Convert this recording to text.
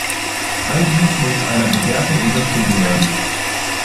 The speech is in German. All dies muss einer Bewertung unterzogen werden.